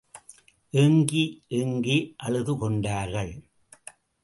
ஏங்கி ஏங்கி அழுதுகொண்டார்கள்.